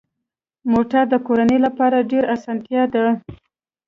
موټر د کورنۍ لپاره ډېره اسانتیا ده.